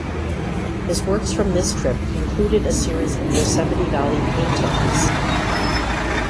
His works from this trip included a series of Yosemite Valley paintings.